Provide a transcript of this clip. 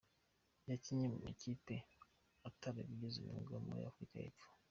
Yakinnye mu makipe atarabigize umwuga muri Afurika y’epfo.